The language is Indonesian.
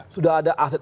sudah ada aset